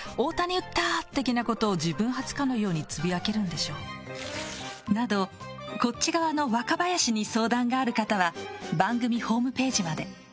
みたいなことを自分発のようにつぶやけるんでしょうか。など、こっち側の若林に相談がある方は番組ホームページまで。